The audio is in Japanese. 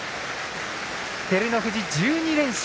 照ノ富士、１２連勝。